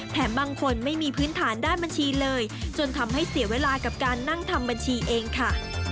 บางคนไม่มีพื้นฐานด้านบัญชีเลยจนทำให้เสียเวลากับการนั่งทำบัญชีเองค่ะ